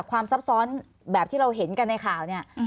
ซับซ้อนแบบที่เราเห็นกันในข่าวเนี่ย